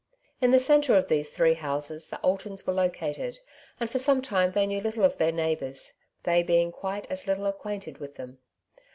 In the centre of these three houses the Altons were located, and for some time they knew little of their neighbours, they being quite as little acquainted with them.